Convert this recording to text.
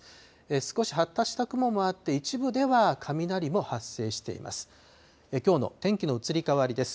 少し発達した雲もあって、一部では雷も発生しています。